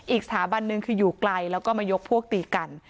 อีกสถาบันหนึ่งคืออยู่ไกลแล้วก็มายกพวกตีกัน